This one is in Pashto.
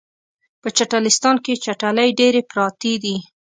په چټلستان کې چټلۍ ډیرې پراتې دي